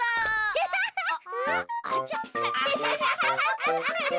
アハハハハ！